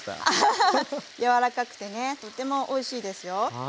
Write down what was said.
アハハハッ柔らかくてねとてもおいしいですよ。